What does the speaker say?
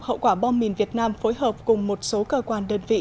hậu quả bom mìn việt nam phối hợp cùng một số cơ quan đơn vị